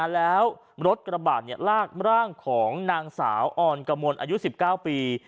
แล้วรถกระบาดลากร่างของนางสาวออนกมลอายุ๑๙ปี